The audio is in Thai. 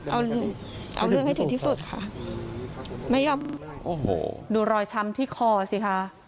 เอาเอาเรื่องให้ถึงที่สุดค่ะไม่ยอมโอ้โหดูรอยช้ำที่คอสิคะ